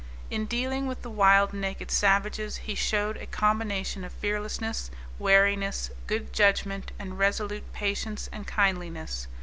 In dealing with the wild, naked savages he showed a combination of fearlessness, wariness, good judgment, and resolute patience and kindliness.